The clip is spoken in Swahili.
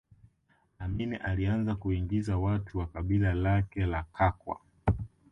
Amin alianza kuingiza watu wa kabila lake la Kakwa